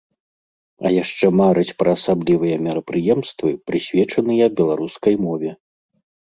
А яшчэ марыць пра асаблівыя мерапрыемствы, прысвечаныя беларускай мове.